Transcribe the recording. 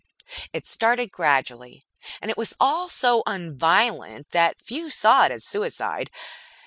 It started gradually, and it was all so un violent that few saw it as suicide.